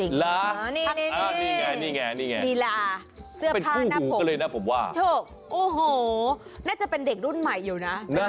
นี่แหละเสื้อผ้าน่ะผมถูกโอ้โหน่าจะเป็นเด็กรุ่นใหม่อยู่นะ